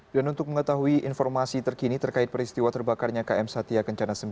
dan untuk mengetahui informasi terkini terkait peristiwa terbakarnya km satya kencana sembilan